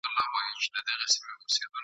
ځلېدل به یې په لمر کي چاغ ورنونه !.